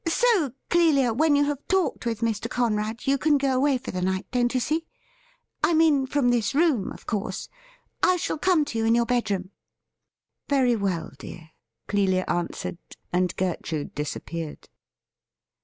'So, Clelia, when you have talked with Mr. Conrad, you can go away for the night, don't you see ?— ^I mean, from this room, of course. I shall come to you in your bedroom.' 'Very well, dear,' Clelia answered, and Gertrude dis appeared.